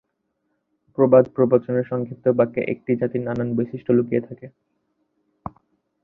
প্রবাদ-প্রবচনের সংক্ষিপ্ত বাক্যে একটি জাতির নানান বৈশিষ্ট্য লুকিয়ে থাকে।